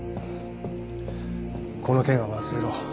この件は忘れろ。